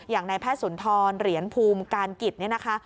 อย่างนายแพทย์สุนทรเหรียญภูมิการกิจเนี่ยนะคะ